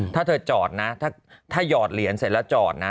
ถ้าเธอจอดนะถ้าหยอดเหรียญเสร็จแล้วจอดนะ